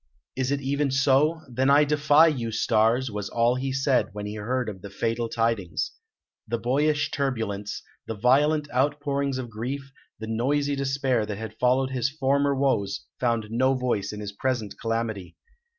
"Is it even so? Then I defy you, stars!" was all he said, when he heard the fatal tidings. The boyish turbulence, the violent outpourings of grief, the noisy despair that had followed his former woes found no voice in his present calamity.